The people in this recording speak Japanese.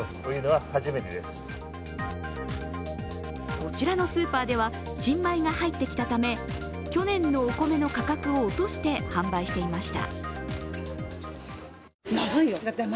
こちらのスーパーでは新米が入ってきたため去年のお米の価格を落として販売していました。